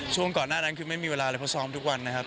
ช่วงก่อนหน้าคือไม่มีเวลาเเหล็ก้าวศอมธ์ทุกวันนะครับ